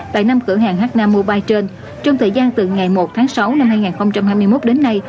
tại năm cửa hàng h nam mobile trên trong thời gian từ ngày một tháng sáu năm hai nghìn hai mươi một đến nay